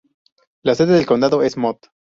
La sede del condado es Mott.